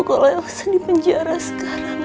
kalo elsa di penjara sekarang